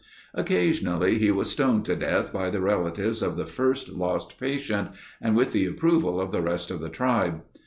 Occasionally he was stoned to death by the relatives of the first lost patient and with the approval of the rest of the tribe.